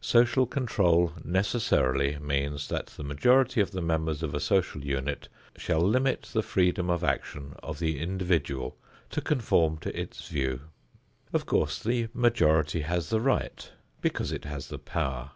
Social control necessarily means that the majority of the members of a social unit shall limit the freedom of action of the individual to conform to its view. Of course, the majority has the right because it has the power.